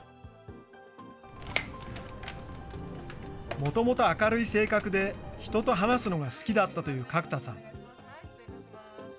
もともと明るい性格で、人と話すのが好きだったという角田さん。